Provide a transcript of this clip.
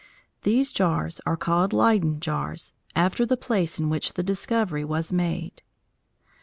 These jars are called Leyden jars, after the place in which the discovery was made.